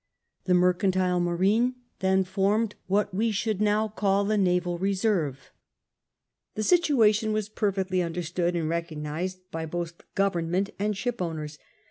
The mercantile marine then formed what we should now call the naval reserve. The situation was perfectly understood and recognised by both Government and shipowners.